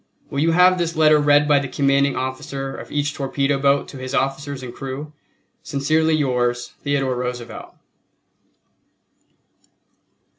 Will you have this letter read by the commanding officer of each torpedo boat to his officers and crew? Sincerely yours, THEODORE ROOSEVELT.